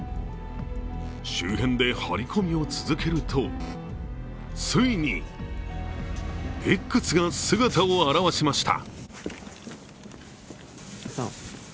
周辺で張り込みを続けると、ついにＸが姿を現しました。